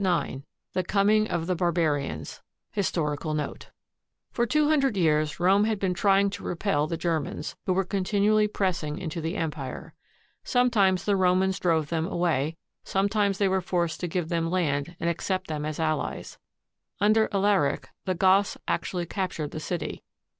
IX THE COMING OF THE BARBARIANS HISTORICAL NOTE For two hundred years Rome had been trying to repel the Germans, who were continually pressing into the empire. Sometimes the Romans drove them away; sometimes they were forced to give them land and accept them as allies. Under Alaric, the Goths actually captured the city.